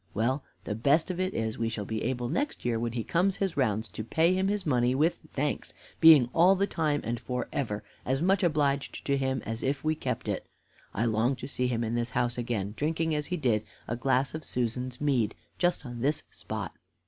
Well, the best of it is, we shall be able next year, when he comes his rounds, to pay him his money with thanks, being all the time and for ever as much obliged to him as if we kept it. I long to see him in this house again, drinking, as he did, a glass of Susan's mead, just on this spot."